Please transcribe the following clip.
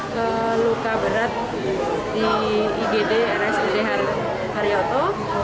ke luka berat di igd rsud haryoto